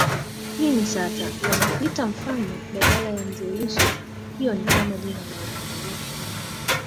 nini sasa wanakuita mfalme badala ya Mzee Yusuf Hiyo ni kama jina la umaarufu